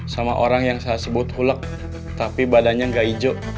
sama orang yang saya sebut hulek tapi badannya nggak hijau